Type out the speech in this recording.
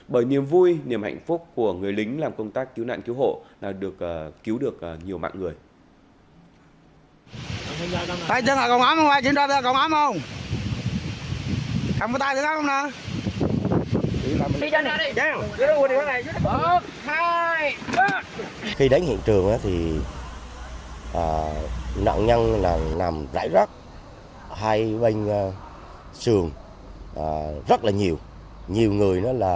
bởi niềm vui niềm hạnh phúc của người lính làm công tác cứu nạn cứu hộ đã được cứu được nhiều mạng người